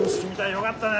よかったね。